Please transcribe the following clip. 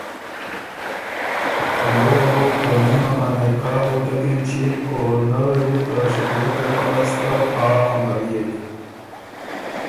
نۀ وه بُو په نیمه ا نکاح وتک اېنچيېک او نۀ وې ته شکیلۀ طرف لاسته ”آ“ امريېک